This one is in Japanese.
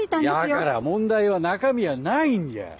やから問題は中身やないんじゃ！